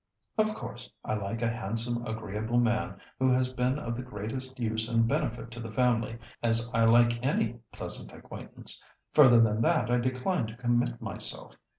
"Of course I like a handsome, agreeable man who has been of the greatest use and benefit to the family, as I like any pleasant acquaintance. Further than that I decline to commit myself.